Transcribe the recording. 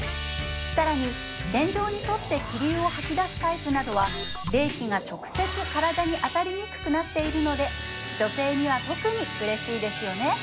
更に天井に沿って気流を吐き出すタイプなどは冷気が直接体に当たりにくくなっているので女性には特に嬉しいですよね